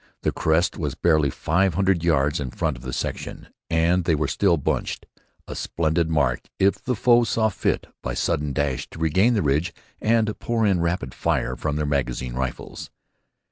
The crest was barely five hundred yards in front of the section, and they were still "bunched," a splendid mark if the foe saw fit by sudden dash to regain the ridge and pour in rapid fire from their magazine rifles.